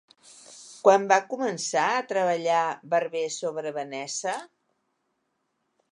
Quan va començar a treballar Barber sobre Vanessa?